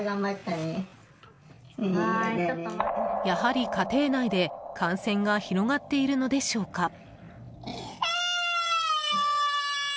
やはり家庭内で感染が広がっているのでしょうか。